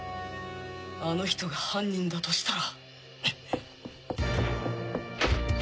あの人が犯人だとしたら